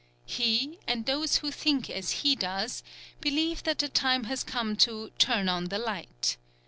He, and those who think as he does, believe that the time has come to "Turn on the Light!"